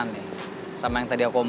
di sini ada gue